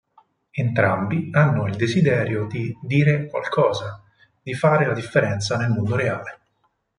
Entrambi hanno il desiderio di "dire qualcosa", di fare la differenza nel mondo reale.